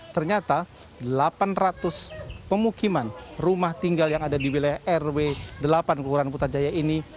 ternyata delapan ratus pemukiman rumah tinggal yang ada di wilayah rw delapan kelurahan putrajaya ini